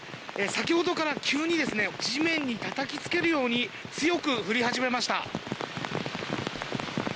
先ほどから急に地面にたたきつけるように強く降り始めました。